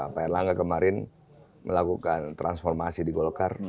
pak erlangga kemarin melakukan transformasi di golkar